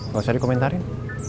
gak usah dikomentarin